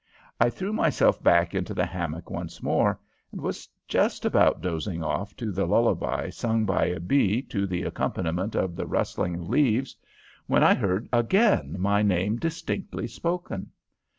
I threw myself back into the hammock once more, and was just about dozing off to the lullaby sung by a bee to the accompaniment of the rustling leaves, when I again heard my name distinctly spoken.